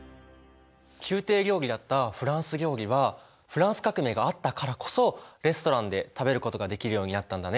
宮廷料理だったフランス料理はフランス革命があったからこそレストランで食べることができるようになったんだね。